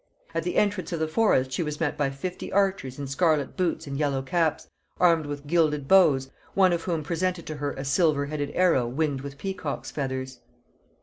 At the entrance of the forest she was met by fifty archers in scarlet boots and yellow caps, armed with gilded bows, one of whom presented to her a silver headed arrow winged with peacock's feathers.